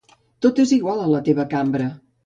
Tot està igual, a la teva cambra.